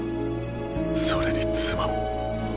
それに妻も。